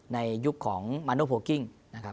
ในยุคของมันโนโพลกิ้งส์